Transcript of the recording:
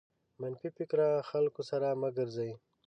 منفي فکره خلکو سره مه ګرځٸ.